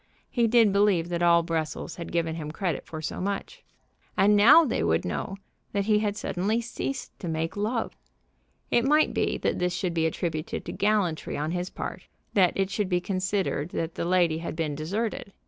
He did believe that all Brussels had given him credit for so much. And now they would know that he had suddenly ceased to make love. It might be that this should be attributed to gallantry on his part, that it should be considered that the lady had been deserted.